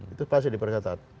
itu pasti diperketat